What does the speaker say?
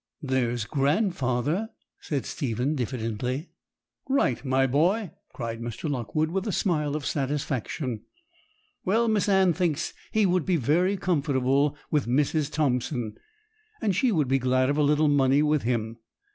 'There's grandfather,' said Stephen diffidently. 'Right, my boy!' cried Mr. Lockwood, with a smile of satisfaction; 'well, Miss Anne thinks he would be very comfortable with Mrs. Thompson, and she would be glad of a little money with him.